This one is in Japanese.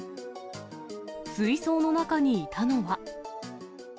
水槽の中にいたのは。